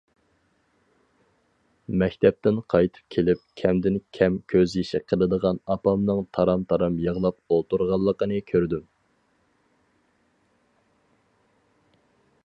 مەكتەپتىن قايتىپ كېلىپ كەمدىن- كەم كۆز يېشى قىلىدىغان ئاپامنىڭ تارام- تارام يىغلاپ ئولتۇرغانلىقىنى كۆردۈم.